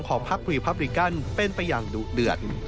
พักรีพับริกันเป็นไปอย่างดุเดือด